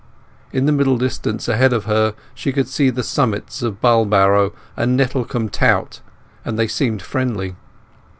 In the middle distance ahead of her she could see the summits of Bulbarrow and of Nettlecombe Tout, and they seemed friendly.